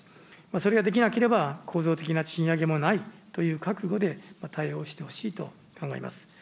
それができなければ、構造的な賃上げもないという覚悟で対応してほしいと考えます。